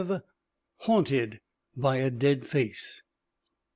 HAUNTED BY A DEAD FACE.